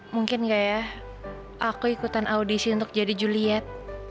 mungkin nggak ya aku ikutan audisi untuk jadi juliet